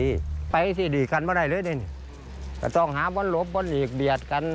นี่ไปที่ดีกันไม่ได้เลยนี่ก็ต้องหาบอลหลบบอลอีกเบียดกัน